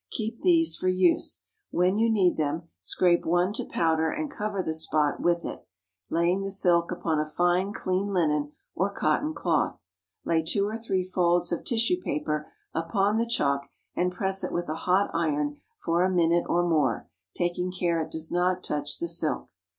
Keep these for use. When you need them, scrape one to powder and cover the spot with it, laying the silk upon a fine clean linen or cotton cloth. Lay two or three folds of tissue paper upon the chalk, and press it with a hot iron for a minute or more, taking care it does not touch the silk.